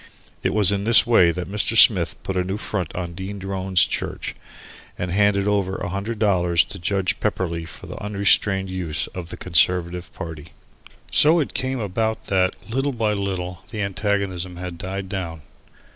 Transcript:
It was in this way that Mr. Smith put the new font in Dean Drone's church, and handed over a hundred dollars to Judge Pepperleigh for the unrestrained use of the Conservative party. So it came about that, little by little, the antagonism had died down.